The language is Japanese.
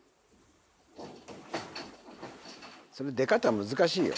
その出方難しいよ。